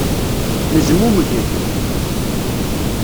Nezmumeg-d.